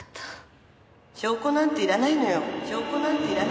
証拠なんていらないのよ。